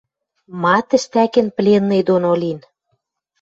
Ма тӹштӓкен пленный доно лин